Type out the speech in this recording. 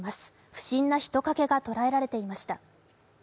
不審な人影が捉えられていました。